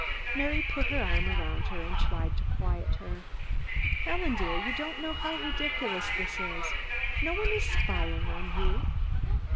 Mary put her arm around her and tried to quiet her. "Helen, dear, you don't know how ridiculous that is. No one is spying on you."